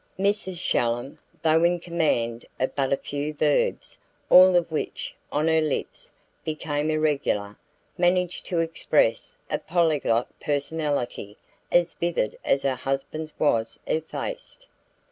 Mrs. Shallum, though in command of but a few verbs, all of which, on her lips, became irregular, managed to express a polyglot personality as vivid as her husband's was effaced.